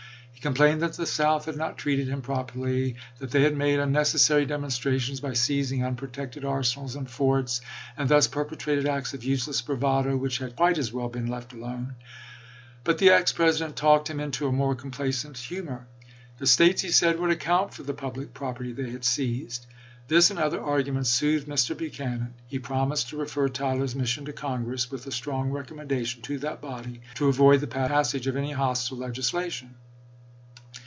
He complained that the South had not treated him properly ; that they had made unnecessary demon Tyler strations by seizing unprotected arsenals and forts, Letcher, and thus perpetrated acts of useless bravado, which inteiKa had quite as well been left alone." But the ex Msei. ' President talked him into a more complaisant humor. The States, he said, would account for the public property they had seized. This and other arguments soothed Mr. Buchanan ; he prom ised to refer Tyler's mission to Congress, with a strong recommendation to that body to " avoid the passage of any hostile legislation."